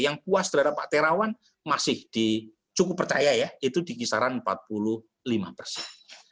yang puas terhadap pak terawan masih cukup percaya ya itu di kisaran empat puluh lima persen